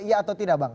iya atau tidak bang